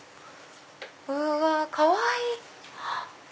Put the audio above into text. うわかわいい！